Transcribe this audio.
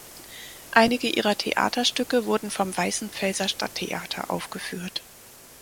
Einige ihrer Theaterstücke wurden vom Weißenfelser Stadttheater aufgeführt.